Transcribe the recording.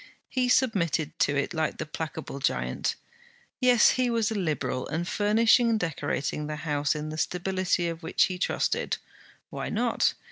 He submitted to it like the placable giant. Yes, he was a Liberal, and furnishing and decorating the house in the stability of which he trusted. Why not?